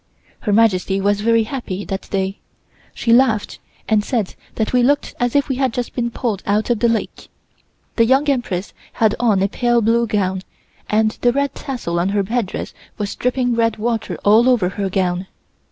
Her Majesty was very happy that day. She laughed and said that we looked as if we had just been pulled out of the lake. The Young Empress had on a pale blue gown, and the red tassel on her headdress was dripping red water all over her gown.